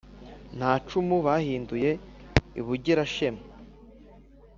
nta cumu bahinduye i bugira-shema